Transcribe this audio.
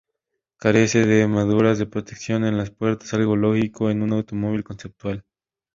Carece de molduras de protección en las puertas, algo lógico en un automóvil conceptual.